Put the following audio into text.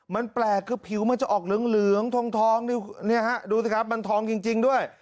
มันแปลกคือผิวมันจะออกเหลืองทองดูสิครับมันทองจริงด้วย